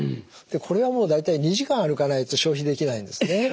これはもう大体２時間歩かないと消費できないんですね。